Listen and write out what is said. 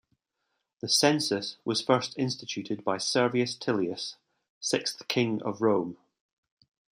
The "census" was first instituted by Servius Tullius, sixth king of Rome.